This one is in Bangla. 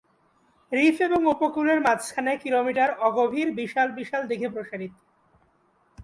রিফ এবং উপকূলের মাঝখানে কিলোমিটার অগভীর বিশাল বিশাল দীঘি প্রসারিত।